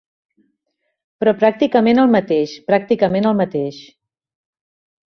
Però pràcticament el mateix, pràcticament el mateix.